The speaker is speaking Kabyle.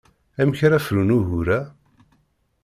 Amek ara frun ugur-a?